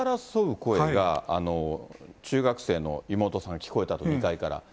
声が中学生の妹さん、聞こえたと、２階から。